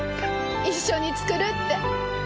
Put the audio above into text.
一緒に作るって。